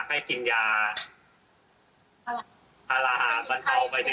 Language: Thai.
ให้กินยาทาราบบรรเทาไปเฉย